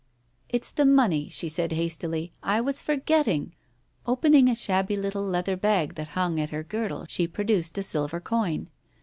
" It's the money," she said hastily. " I was forgetting." Opening a shabby little leather bag that hung at her girdle, she produced a silver coin.